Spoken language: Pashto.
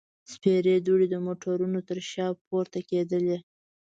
سپېرې دوړې د موټرو تر شا پورته کېدلې.